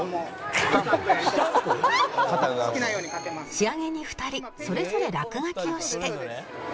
仕上げに２人それぞれ落書きをして